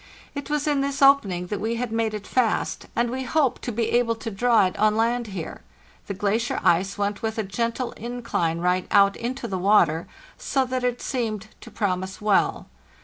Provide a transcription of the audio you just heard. It was in this opening that we had made it fast, and we hoped to be able to draw it on land here; the glacier ice went with a gentle incline right out into the water, so that it seemed to promise well.